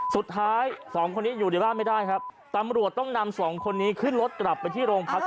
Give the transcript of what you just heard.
สุดท้ายสองคนนี้อยู่ในบ้านไม่ได้ครับตำรวจต้องนำสองคนนี้ขึ้นรถกลับไปที่โรงพัก